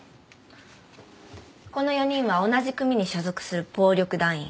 この４人は同じ組に所属する暴力団員。